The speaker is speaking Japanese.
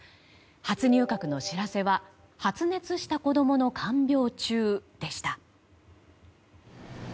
初入閣の知らせは発熱した子供の看病中でした。